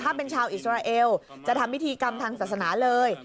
ถ้าเป็นชาวอิสราเอลจะทำพิธีกรรมทางศาสนาเลย